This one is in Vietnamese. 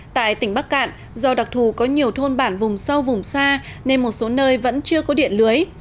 tại tỉnh bắc cạn do đặc thù có nhiều thôn bản vùng sâu vùng xa nên một số nơi vẫn chưa có điện lưới